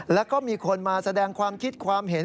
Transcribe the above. แล้วก็มีคนมาแสดงความคิดความเห็น